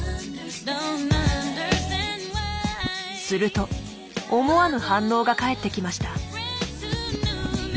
すると思わぬ反応が返ってきました。